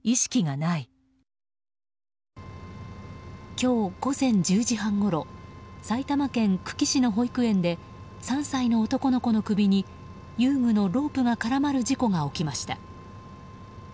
今日午前１０時半ごろ埼玉県久喜市の保育園で３歳の男の子の首に遊具のロープが絡まる事故がありました。